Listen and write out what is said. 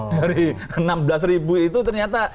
dari enam belas ribu itu ternyata